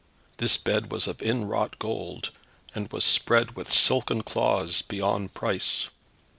This bed was of inwrought gold, and was spread with silken cloths beyond price.